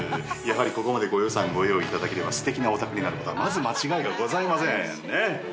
やはりここまでご予算ご用意いただければすてきなお宅になることはまず間違いがございませんねえ。